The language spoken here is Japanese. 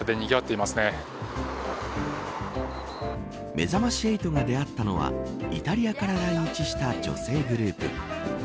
めざまし８が出会ったのはイタリアから来日した女性グループ。